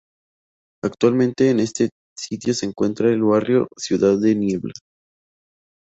Actualmente en ese sitio se encuentra el barrio Ciudad de Nieva.